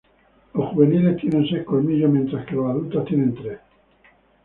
Los juveniles tienen seis colmillos, mientras que los adultos tienen tres.